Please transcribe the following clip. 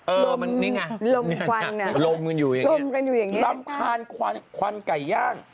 เออนี่ไงลมควันลมกันอยู่อย่างนี้ใช่รำคาญควันไก่ย่าง